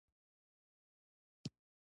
د هغې لپاره عملي کار کول یې دوهمه پوړۍ ده.